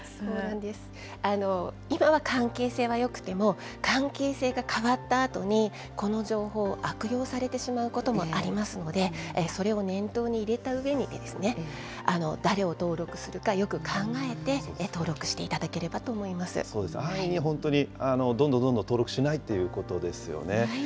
今は関係性はよくても、関係性が変わったあとに、この情報を悪用されてしまうこともありますので、それを念頭に入れたうえに、誰を登録するか、よく考えて登録そうですね、安易に本当にどんどんどんどん登録しないということですよね。